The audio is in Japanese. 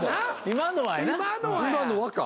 「今のは」や。